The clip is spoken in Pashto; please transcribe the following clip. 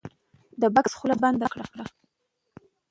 د بکس خوله بنده کړه.